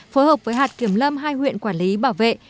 phối hợp với hạt kiểm lâm hai huyện quản lý bảo vệ